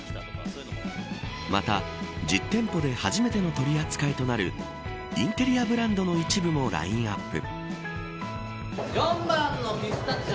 また実店舗で初めての取り扱いとなるインテリアブランドの一部もラインアップ。